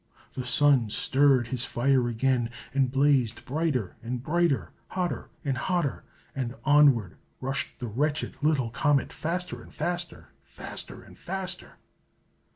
The Sun stirred his fire again, and blazed brighter and brighter, hotter and hotter; and onward rushed the wretched little comet, faster and faster, faster and faster!